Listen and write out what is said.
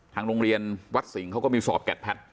ทางโรงเรียนวัดสิงห์เขาก็มีสอบแกดแพทย์